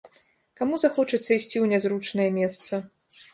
Каму захочацца ісці ў нязручнае месца?